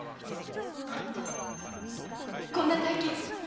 あんたこんな大金まさか？